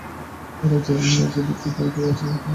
এ রাজ্যে যে দুঃখ দারিদ্র্য আছে, ইহা তাহার প্রাণে সহিল না।